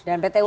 dan pt un